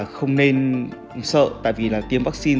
không nên sợ tại vì là tiêm vaccine